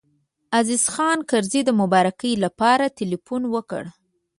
عزیز خان کرزی د مبارکۍ لپاره تیلفون وکړ.